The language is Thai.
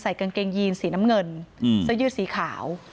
ใส่กางเกงยีนสีน้ำเงินซะยืดสีขาว